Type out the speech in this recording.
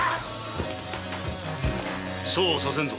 そうはさせんぞ。